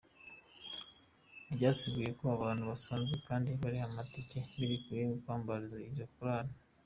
Ryasiguye ko abantu basanzwe kandi bariha amatike barekuriwe kwambara izo "collants".